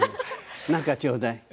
何かちょうだい。